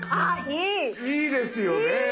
いいですよね。